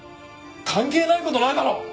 関係ない事ないだろ！